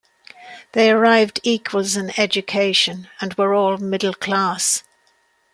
They arrived equals in education and were all middle class.